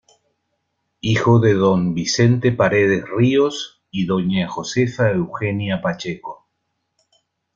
Hijo de don "Vicente Paredes Ríos" y doña "Josefa Eugenia Pacheco".